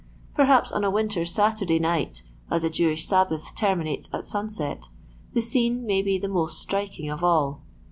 Perhaps on a winter's Saturday night — as the Jewish Sabbath terminates at sun set— the scene may be the most striking of all.